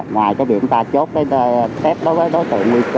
ngoài việc chúng ta chốt test đối với đối tượng nguy cơ